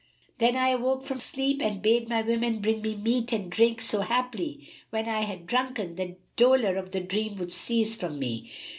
Then I awoke from sleep and bade my women bring me meat and drink, so haply, when I had drunken, the dolour of the dream would cease from me."